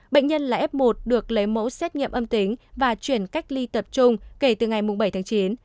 bệnh nhân là f một được lấy mẫu xét nghiệm âm tính và chuyển cách ly tập trung kể từ ngày bảy tháng chín